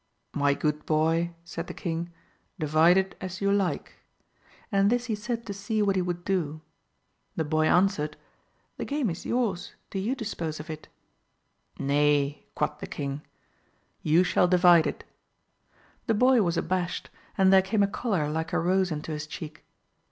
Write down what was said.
My good boy, said the king, divide it as you like, and this he said to see what he would do. The boy answered, The game is yours, do you dispose of it. Nay, quoth the king, i>r,2 AMADIS OF GAUL. you shall divide it ; the boy was abashed^ and there came a colour like a rose into his cheek.